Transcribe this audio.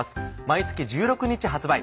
毎月１６日発売。